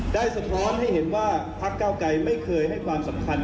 สะท้อนให้เห็นว่าพักเก้าไกรไม่เคยให้ความสำคัญ